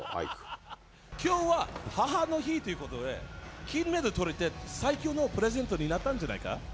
きょうは母の日ということで、金メダルとれて、最高のプレゼントになったんじゃないか？